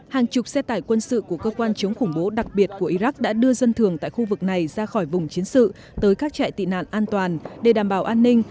hàng chục xe tải quân sự của cơ quan chống khủng bố đặc biệt của iraq đã đưa dân thường tại khu vực này ra khỏi vùng chiến sự tới các trại tị nạn an toàn để đảm bảo an ninh